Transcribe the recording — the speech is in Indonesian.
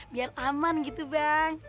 biar aman gitu bang